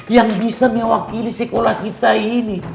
yang bisa mewakili sekolah kita ini